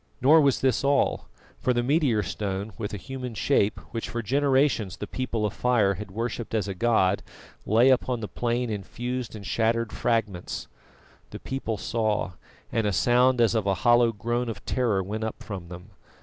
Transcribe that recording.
Nor was this all, for the meteor stone with a human shape which for generations the People of Fire had worshipped as a god, lay upon the plain in fused and shattered fragments. The people saw, and a sound as of a hollow groan of terror went up from them.